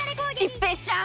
一平ちゃーん！